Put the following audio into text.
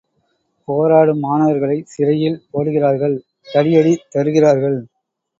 போராடும் மாணவர்களைச் சிறையில் போடுகிறார்கள், தடியடி தருகிறார்கள்.